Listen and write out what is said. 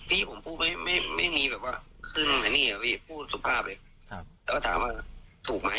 พอด่อยปุ๊บก็ก็มือที่เขาจับปืนไปตลอดเขาก็ล้วงมา